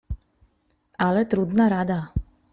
"Ale trudna rada."